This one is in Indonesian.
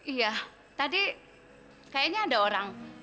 iya tadi kayaknya ada orang